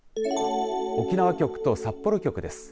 沖縄局と札幌局です。